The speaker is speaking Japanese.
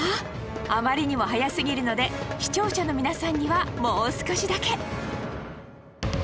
あまりにも早すぎるので視聴者の皆さんにはもう少しだけ